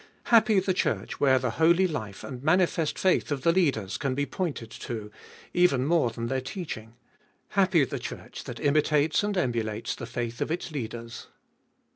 Happy the church where the holy life and manifest faith of the leaders can be pointed to, even more than their teaching. Happy the church that imitates and emulates the faith of its leaders.